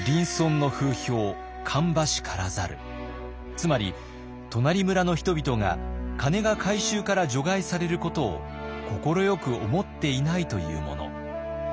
つまり「となり村の人々が鐘が回収から除外されることを快く思っていない」というもの。